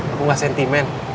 aku gak sentimen